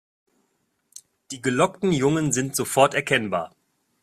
Die gelockten Jungen sind sofort erkennbar.